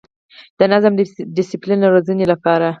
د نظم، ډسپلین او روزنې لپاره